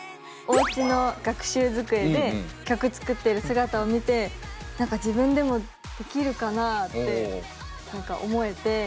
おうちの学習机で曲作ってる姿を見て何か自分でもできるかなって何か思えて。